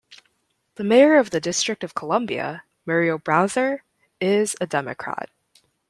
The mayor of the District of Columbia, Muriel Bowser, is a Democrat.